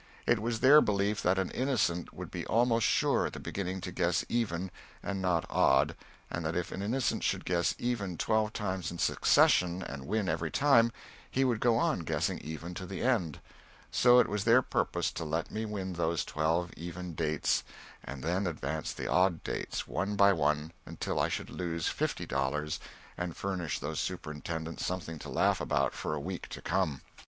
It was their belief that an innocent would be almost sure at the beginning to guess "even," and not "odd," and that if an innocent should guess "even" twelve times in succession and win every time, he would go on guessing "even" to the end so it was their purpose to let me win those twelve even dates and then advance the odd dates, one by one, until I should lose fifty dollars, and furnish those superintendents something to laugh about for a week to come.